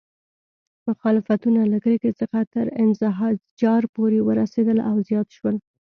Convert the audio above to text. مخالفتونه له کرکې څخه تر انزجار پورې ورسېدل او زیات شول.